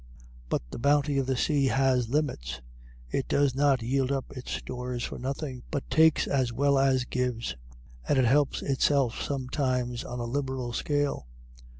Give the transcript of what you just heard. But the bounty of the sea has limits; it does not yield up its stores for nothing, but takes as well as gives. And it helps itself sometimes on a liberal scale.